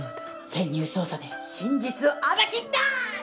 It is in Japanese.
潜入捜査で真実を暴き出す！